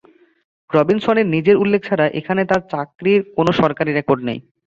রবিনসনের নিজের উল্লেখ ছাড়া এখানে তাঁর চাকরির কোনো সরকারি রেকর্ড নেই।